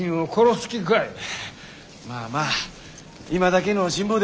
まあまあ今だけの辛抱ですき。